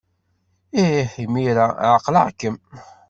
Ih, imir-a ɛeqleɣ-kem!